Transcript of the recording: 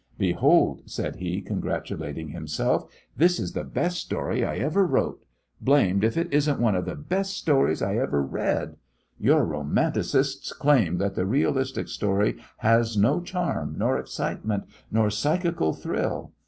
"Behold," said he, congratulating himself, "this is the best story I ever wrote! Blamed if it isn't one of the best stories I ever read! Your romanticists claim that the realistic story has no charm, nor excitement, nor psychical thrill.